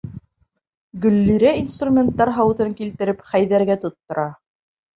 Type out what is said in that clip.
Гөллирә инструменттар һауытын килтереп Хәйҙәргә тоттора.